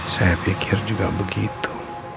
saya pikir juga begitu